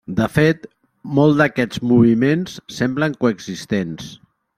De fet, molt d'aquests moviments semblen coexistents.